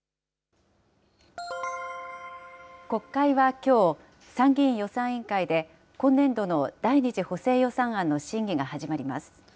国会はきょう、参議院予算委員会で、今年度の第２次補正予算案の審議が始まります。